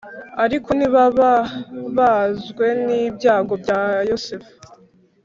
ariko ntibababazwe n’ibyago bya Yosefu